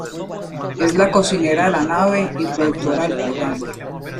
Es la cocinera de la nave y productora del programa.